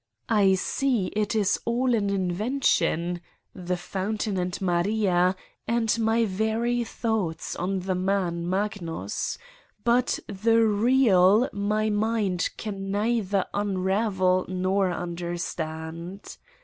I see it is all an invention, the f oun 207 Satan's Diary tain and Maria and my very thoughts on the man : Magnus, but the real my mind can neither un ravel nor understand.